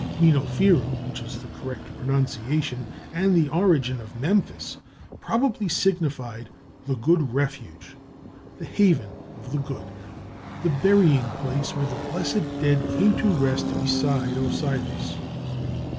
Minnofiru, which is the correct pronunciation and the origin of Memphis, probably signified "the good refuge," the haven of the good, the burying place where the blessed dead came to rest beside Osiris.